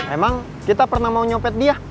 emang kita pernah mau nyopet dia